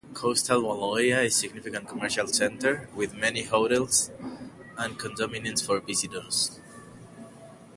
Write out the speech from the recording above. Coastal Wailua is a significant commercial center, with many hotels and condominiums for visitors.